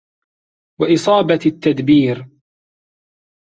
وَإِصَابَةِ التَّدْبِيرِ